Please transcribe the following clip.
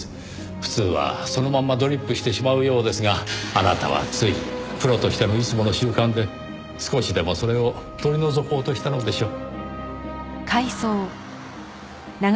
普通はそのままドリップしてしまうようですがあなたはついプロとしてのいつもの習慣で少しでもそれを取り除こうとしたのでしょう。